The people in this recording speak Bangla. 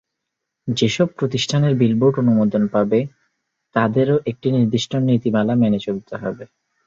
যেসব প্রতিষ্ঠানের বিলবোর্ড অনুমোদন পাবে, তাদেরও একটি নির্দিষ্ট নীতিমালা মেনে চলতে হবে।